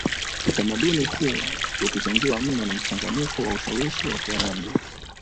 utamaduni huu ukichangiwa mno na mchanganyiko na ushawishi wa Kiarabu